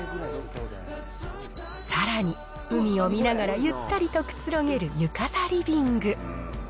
さらに、海を見ながらゆったりとくつろげる床座リビング。